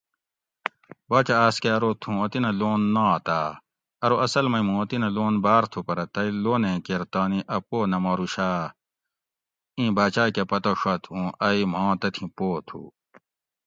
باچہ آۤس کہ ارو تھوں وطینہ لون ناتاۤ؟ ارو اصل مئی مُوں وطینہ لون باۤر تھو پرہ تئی لونیں کیر تانی اۤ پو نہ ماروشاۤ؟ اِیں باچاۤ کہ پتہ ڛت اُوں ائی ماں تتھی پو تُھو